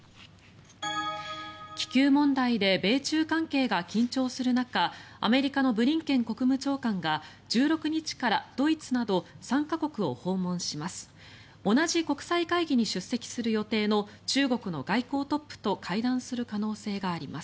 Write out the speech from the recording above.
気球問題で米中関係が緊張する中アメリカのブリンケン国務長官が１６日からドイツなど３か国を訪問します。